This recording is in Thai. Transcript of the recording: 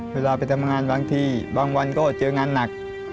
เวลาไปทำงานบางทีบางวันก็เจองานหนัก